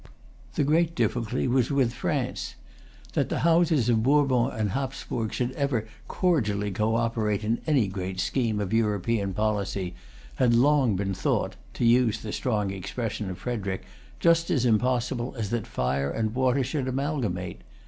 The great difficulty was with France. That the Houses of Bourbon and of Hapsburg should ever cordially coöperate in any great scheme of European policy had long been thought, to use the strong expression of Frederic, just as impossible as that fire and water should amalgamate.